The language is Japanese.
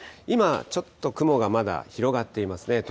今、ちょっと雲がまだ広がっていますね。